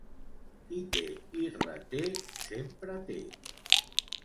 Qui té i reté, sempre té.